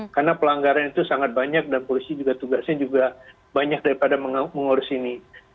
karena pelanggaran itu sangat banyak dan polisi juga tugasnya juga banyak daripada mengurus ini